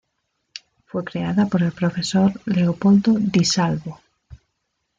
Fue creada por el profesor Leopoldo Di Salvo.